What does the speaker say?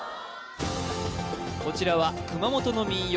こちらは熊本の民謡